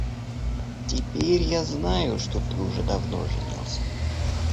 Теперь я знаю, что ты уже давно женился.